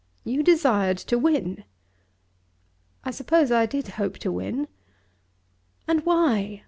You desired to win." "I suppose I did hope to win." "And why?